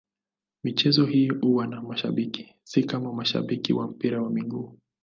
Michezo hii huwa na mashabiki, si kama mashabiki wa mpira wa miguu.